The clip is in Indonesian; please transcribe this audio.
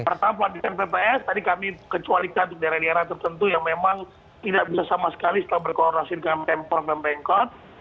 pertama pelantikan bps tadi kami kecualikan untuk daerah daerah tertentu yang memang tidak bisa sama sekali setelah berkoronasikan pemprong dan pengkot